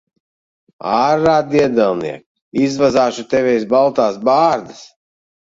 Ārā, diedelniek! Izvazāšu tevi aiz baltās bārdas.